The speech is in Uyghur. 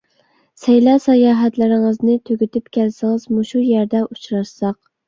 سەيلە - ساياھەتلىرىڭىزنى تۈگىتىپ كەلسىڭىز، مۇشۇ يەردە ئۇچراشساق.